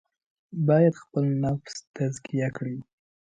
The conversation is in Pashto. باید خپل نفس تزکیه کړي.